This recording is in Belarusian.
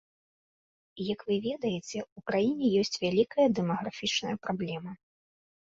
Як вы ведаеце, у краіне ёсць вялікая дэмаграфічная праблема.